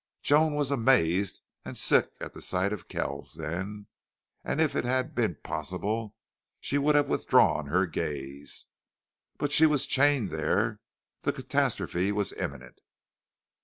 Joan was amazed and sick at sight of Kells then, and if it had been possible she would have withdrawn her gaze. But she was chained there. The catastrophe was imminent.